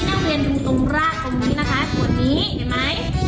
เปิดแล้วมาตัวนี้นักเรียนดูตรงล่างตรงนี้นะคะตรงนี้เห็นมั้ย